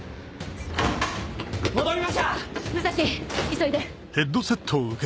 急いで。